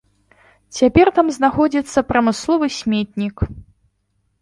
Цяпер там знаходзіцца прамысловы сметнік.